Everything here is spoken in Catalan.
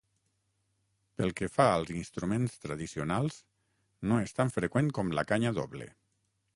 Pel que fa als instruments tradicionals no és tan freqüent com la canya doble.